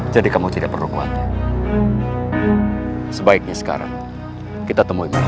jadi kamu tidak perlu kuat sebaiknya sekarang kita temui meryza